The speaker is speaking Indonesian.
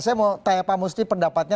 saya mau tanya pak musti pendapatnya